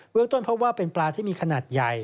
เมืองต้นพบว่าเป็นปลาที่มีขนาดใหญ่